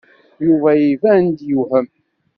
Yuba iban-d yewhem.